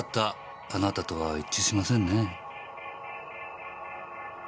あなたとは一致しませんね。